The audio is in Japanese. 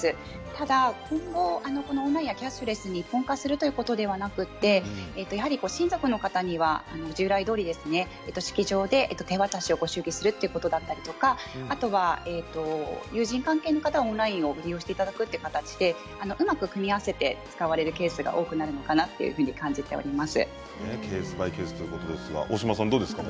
ただ今後オンラインやキャッシュレスに特化するということではなくて親族の方には従来どおり式場で手渡し、ご祝儀するということだったり友人関係の方は、オンラインを利用していくという形でうまく組み合わせて使われるケースが多くなるのかなと大島さんどうですか。